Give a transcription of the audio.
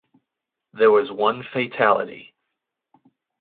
There was one fatality.